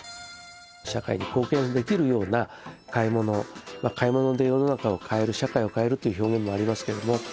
社会に貢献できるような買い物買い物で世の中を変える社会を変えるという表現もありますけれども。